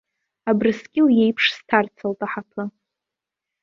Абрыскьыл иеиԥш, сҭарцалт аҳаԥы.